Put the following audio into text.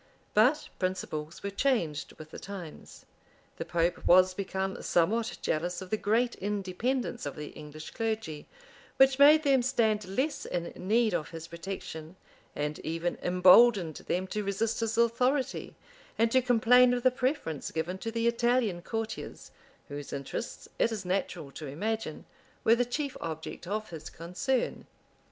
But principles were changed with the times: the pope was become somewhat jealous of the great independence of the English clergy, which made them stand less in need of his protection, and even imboldened them to resist his authority, and to complain of the preference given to the Italian courtiers, whose interests, it is natural to imagine, were the chief object of his concern.